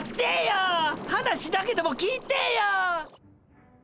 話だけでも聞いてぇや！